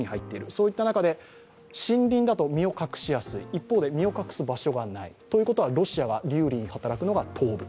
そういった中で森林だと身を隠しやすい、一方で身を隠す場所がないということはロシアに有利に働くのが東部。